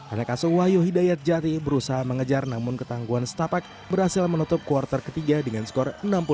anak asuh wahyu hidayat jati berusaha mengejar namun ketangguan setapak berhasil menutup kuartal ketiga dengan skor enam puluh lima lima puluh satu